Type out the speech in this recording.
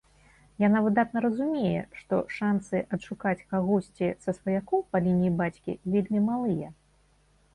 Яна выдатна разумее, што шанцы адшукаць кагосьці са сваякоў па лініі бацькі вельмі малыя.